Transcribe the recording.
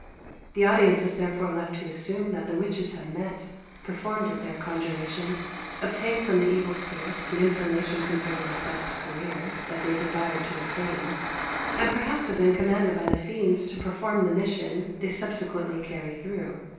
The audience is therefore left to assume that the witches have met, performed their conjurations, obtained from the evil spirits the information concerning Macbeth's career that they desired to obtain, and perhaps have been commanded by the fiends to perform the mission they subsequently carry through.